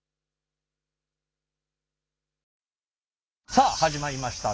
さあ始まりました